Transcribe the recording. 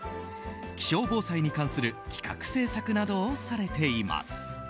気象防災に関する企画・制作などをされています。